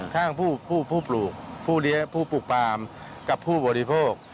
ข้างผู้ปลูกผู้เลี้ยงผู้ปลูกปลามกับผู้บริโภค